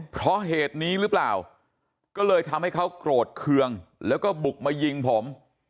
เพราะเหตุนี้หรือเปล่าก็เลยทำให้เขาโกรธเคืองแล้วก็บุกมายิงผม